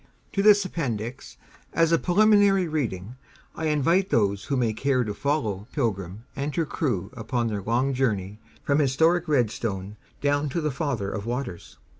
To this Appendix, as a preliminary reading, I invite those who may care to follow "Pilgrim" and her crew upon their long journey from historic Redstone down to the Father of Waters.